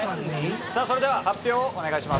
さぁそれでは発表をお願いします。